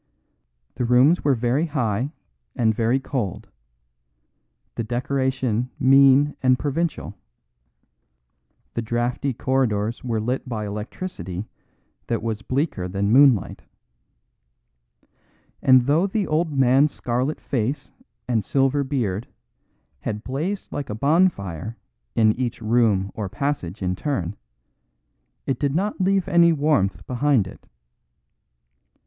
The rooms were very high and very cold; the decoration mean and provincial; the draughty corridors were lit by electricity that was bleaker than moonlight. And though the old man's scarlet face and silver beard had blazed like a bonfire in each room or passage in turn, it did not leave any warmth behind it.